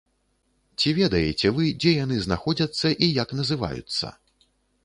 Ці ведаеце вы, дзе яны знаходзяцца і як называюцца?